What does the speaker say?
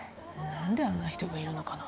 何であんな人がいるのかな。